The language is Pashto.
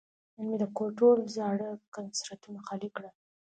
نن مې د کور ټول زاړه کنسترونه خالي کړل.